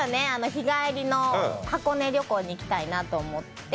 日帰りの箱根旅行に行きたいなと思って。